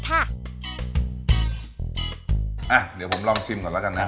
โอป้าน็อตเขาบอกกันดีกว่าค่ะอ่ะเดี๋ยวผมลองชิมก่อนแล้วกันนะ